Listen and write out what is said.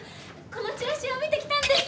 このチラシを見てきたんです。